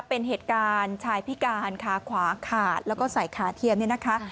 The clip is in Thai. เป็นเหตุการณ์ชายพิการขาขวาขาดแล้วก็ใส่ขาเทียมเนี่ยนะคะ